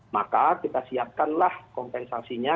maka kita siapkanlah kompensasinya